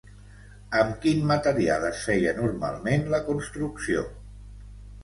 Amb quin material es feia normalment la construcció?